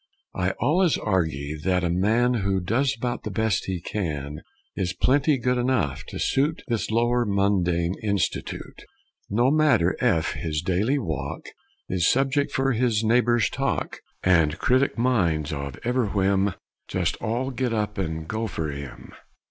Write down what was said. I allus argy that a man Who does about the best he can Is plenty good enugh to suit This lower mundane institute No matter ef his daily walk Is subject fer his neghbor's talk, And critic minds of ev'ry whim Jest all git up and go fer him!